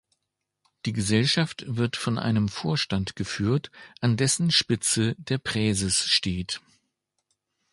Die Gesellschaft wird von einem Vorstand geführt, an dessen Spitze der Präses steht.